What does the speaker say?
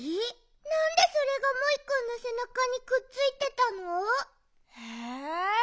なんでそれがモイくんのせなかにくっついてたの？え？